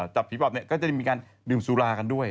จับผีปอบเนี่ยก็จะมีการดื่มสุรากันด้วย